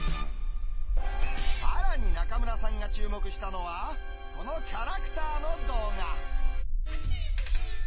さらに中村さんが注目したのは、このキャラクターの動画。